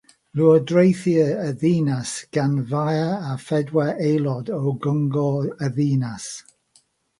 Llywodraethir y ddinas gan faer a phedwar aelod o Gyngor y Ddinas.